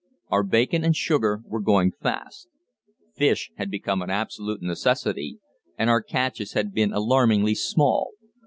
Our bacon and sugar were going fast. Fish had become an absolute necessity, and our catches had been alarmingly small.